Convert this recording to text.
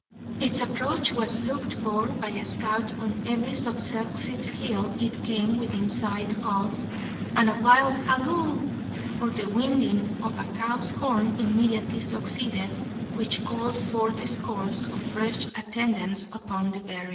Its approach was looked for by a scout on every successive hill it came within sight of, and a wild halloo, or the winding of a cow's horn immediately succeeded, which called forth scores of fresh attendants upon "the berrin."